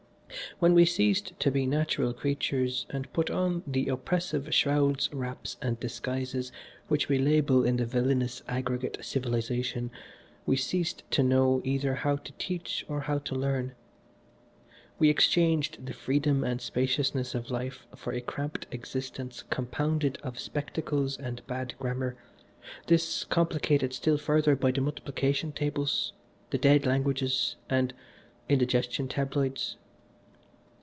"When we ceased to be natural creatures and put on the oppressive shrouds, wraps and disguises which we label in the villainous aggregate civilisation, we ceased to know either how to teach or how to learn. We exchanged the freedom and spaciousness of life for a cramped existence compounded of spectacles and bad grammar, this complicated still further by the multiplication tables, the dead languages and indigestion tabloids.